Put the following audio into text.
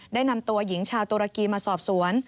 ได้นำตัวหญิงชาวตุรกีมาสอบสวน